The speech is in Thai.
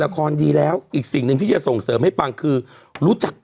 ดีแล้วอีกสิ่งหนึ่งที่จะส่งเสริมให้ฟังคือรู้จัก